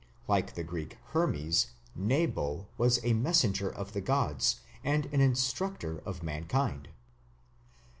Like the Greek Hermes, Nebo was a messenger of the gods and an instructor of mankind.